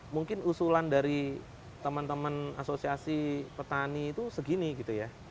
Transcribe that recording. mungkin usulan dari teman teman asosiasi petani itu segini gitu ya